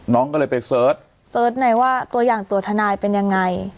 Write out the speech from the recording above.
น้องก็เลยไปเสิร์ชเสิร์ชในว่าตัวอย่างตัวทนายเป็นยังไง